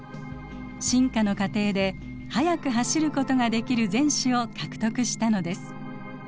進化の過程で速く走ることができる前肢を獲得したのです。